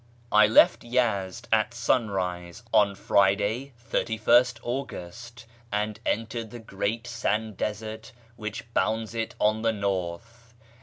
I left Yezd at sunrise on Friday, 31st August, and entered the great sand desert which bounds it on the north.